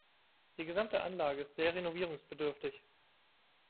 Die gesamte Anlage ist sehr renovierungsbedürftig.